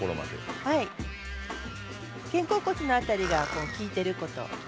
肩甲骨の辺りが効いていること。